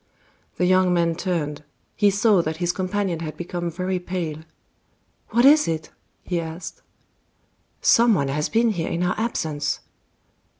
The young man turned; he saw that his companion had become very pale. "What is it?" he asked. "Some one has been here in our absence."